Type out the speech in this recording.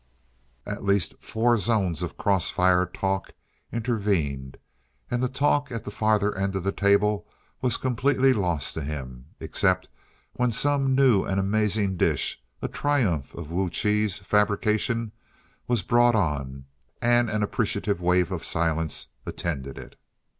At least four zones of cross fire talk intervened, and the talk at the farther end of the table was completely lost to him, except when some new and amazing dish, a triumph of Wu Chi's fabrication, was brought on, and an appreciative wave of silence attended it.